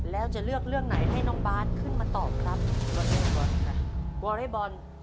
แล้วจะเลือดเรื่องไหนให้น้องบาทตอบครับ